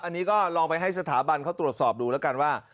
อันนี้ก็ลองไปให้สถาบันเขาตรวจสอบดูแล้วกันว่า